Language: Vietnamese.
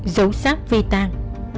dấu sát vi tan